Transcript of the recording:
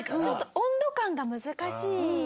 ちょっと温度感が難しい。